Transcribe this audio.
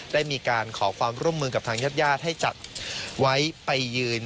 ได้มีการขอความร่วมมือกับทางญาติญาติให้จัดไว้ไปยืน